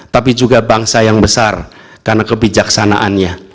tapi juga bangsa yang besar karena kebijaksanaannya